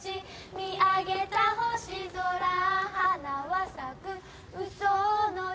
見上げた星空」「花は咲く嘘のように」